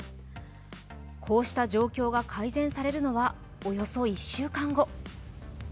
こうした状況が改善されるのはおよそ１週間後。